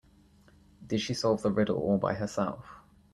Did she solve the riddle all by herself?